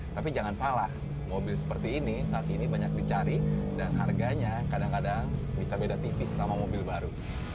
tapi jangan salah mobil seperti ini saat ini banyak dicari dan harganya kadang kadang bisa beda tipis sama mobil baru